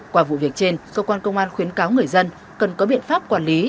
qua vụ việc trên cơ quan công an khuyến cáo người dân cần có biện pháp quản lý